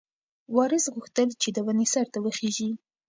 وارث غوښتل چې د ونې سر ته وخیژي.